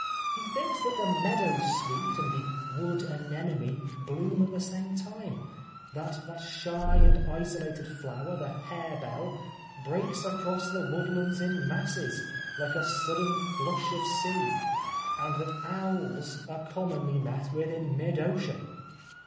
He thinks that the meadow sweet and the wood anemone bloom at the same time, that that shy and isolated flower, the harebell ' breaks across the woodlands in masses,' * like a sudden flush of sea,' and that owls are commonly met with in mid ocean."